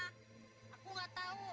aku enggak tahu